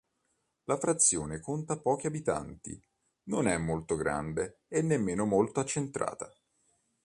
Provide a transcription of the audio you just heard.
La frazione conta pochi abitanti, non è molto grande e nemmeno molto accentrata.